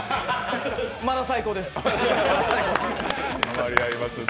まだ最高です。